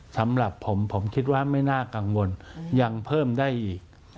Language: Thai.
สำหรับผมผมคิดว่าไม่น่ากังวลยังเพิ่มได้อีก